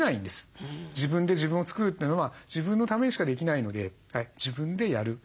自分で自分を作るというのは自分のためにしかできないので自分でやる。